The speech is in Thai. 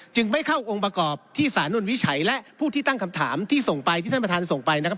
จึงไม่เข้าองค์ประกอบที่สานุนวิชัยและผู้ที่ตั้งคำถามที่ท่านประธานส่งไป